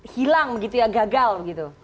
hilang begitu ya gagal begitu